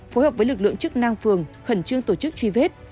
phối hợp với lực lượng chức năng phường khẩn trương tổ chức truy vết